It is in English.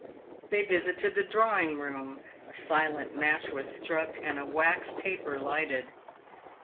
They visited the drawing room. A silent match was struck and a wax taper lighted.